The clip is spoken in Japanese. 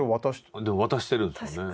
渡してるんですよね。